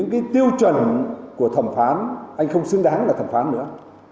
cái tiêu chuẩn của thẩm phán anh không xứng đáng là thẩm phán nữa